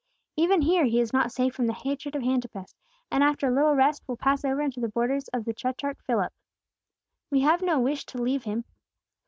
"Even here He is not safe from the hatred of Antipas, and after a little rest will pass over into the borders of the tetrarch Philip. We have no wish to leave Him!"